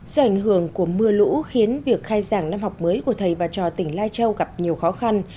do ảnh hưởng của mưa lũ khiến việc khai giảng năm học mới của thầy và trò tỉnh lai châu gặp nhiều khó khăn